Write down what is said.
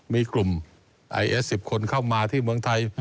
มีกลุ่มไอเอส๑๐คนเข้ามาที่เมืองไทย